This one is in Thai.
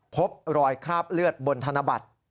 พบรอยคราบเลือดบนธนบัตร